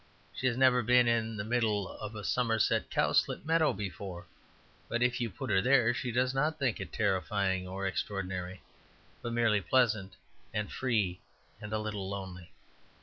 She has never been in the middle of a Somerset cowslip meadow before; but if you put her there she does not think it terrifying or extraordinary, but merely pleasant and free and a little lonely.